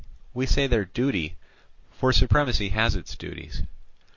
We say their duty, for supremacy has its duties.